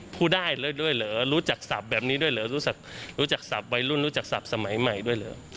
พูดได้เลยด้วยเหรอรู้จักศัพท์แบบนี้ด้วยเหรอรู้จักศัพท์วัยรุ่นรู้จักศัพท์สมัยใหม่ด้วยเหรอ